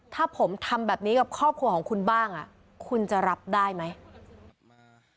ถ้าผมทำแบบนี้กับครอบครัวของคุณบ้างคุณจะรับได้ไหม